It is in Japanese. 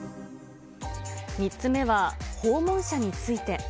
３つ目は、訪問者について。